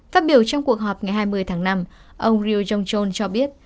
phát biểu trong cuộc họp ngày hai mươi tháng năm ông ryo jongchon cho biết